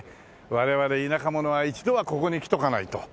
我々田舎者は一度はここに来ておかないと。